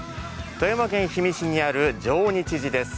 富山県氷見市にある上日寺です。